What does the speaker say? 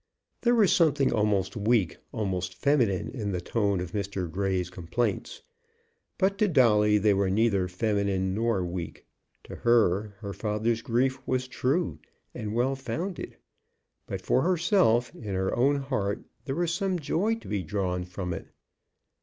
There was something almost weak, almost feminine in the tone of Mr. Grey's complaints. But to Dolly they were neither feminine nor weak. To her her father's grief was true and well founded; but for herself in her own heart there was some joy to be drawn from it.